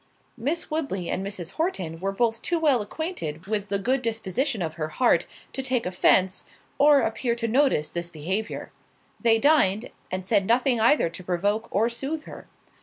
Miss Woodley and Mrs. Horton were both too well acquainted with the good disposition of her heart, to take offence, or appear to notice this behaviour. They dined, and said nothing either to provoke or sooth her.